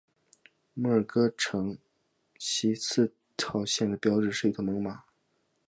墨西哥城地铁四号线的标志就是一头猛犸。